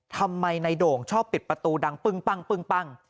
ทำไมในโด่งชอบปิดประตูดังปึ้งปั้งปึ้งปั้ง